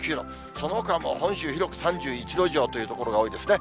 そのほかはもう本州広く３１度以上という所が多いですね。